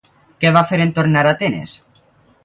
Què va fer en tornar a Atenes?